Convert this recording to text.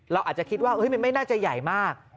เราอาจจะคิดว่ามันไม่น่าจะใหญ่มาก